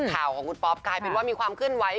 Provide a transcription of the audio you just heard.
ข่าวของคุณป๊อปกลายเป็นว่ามีความขึ้นไว้